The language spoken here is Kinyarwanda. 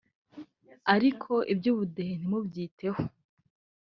ariko iby’ubudehe ntimubyiteho